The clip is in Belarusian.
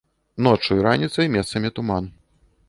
Ноччу і раніцай месцамі туман.